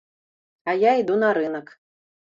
А я іду на рынак.